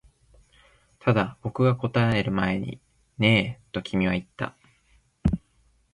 ただ、僕が答える前にねえと君は言った